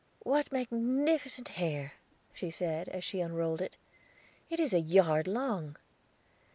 "What magnificent hair!" she said, as she unrolled it. "It is a yard long."